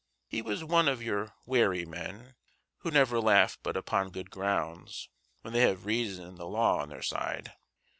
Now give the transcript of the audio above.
He was one of your wary men, who never laugh but upon good grounds when they have reason and the law on their side.